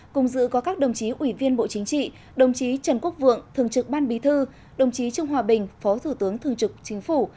cùng dự có các đồng chí ủy viên bộ chính trị đồng chí trần quốc vượng thường trực ban bí thư đồng chí trung hòa bình phó thủ tướng thường trực chính phủ